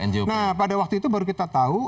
nah pada waktu itu baru kita tahu